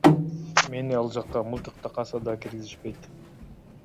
Мени ал жакка мылтык такаса да киргизишпейт.